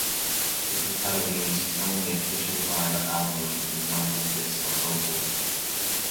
This is Helloween's only official live album with Michael Kiske on vocals.